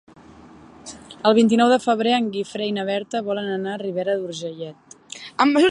El vint-i-nou de febrer en Guifré i na Berta volen anar a Ribera d'Urgellet.